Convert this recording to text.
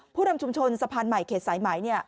ผู้นำชุมชนสะพานใหม่เขตสายไหม